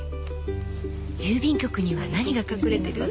郵便局には何が隠れてる？